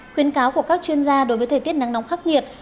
khuyến cáo của các chuyên gia đối với thời tiết nắng nóng khắc nghiệt